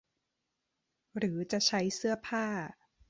หรือจะใช้เสื้อผ้า